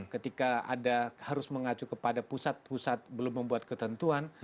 ketika ada harus mengacu kepada pusat pusat belum membuat ketentuan